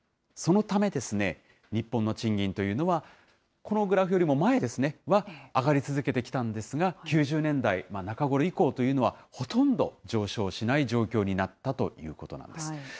そのため、日本の賃金というのは、このグラフよりも前ですね、は、上がり続けてきたんですが、９０年代中ごろ以降というのは、ほとんど上昇しない状況になったということなんです。